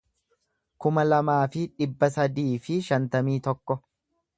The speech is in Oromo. kuma lamaa fi dhibba sadii fi shantamii tokko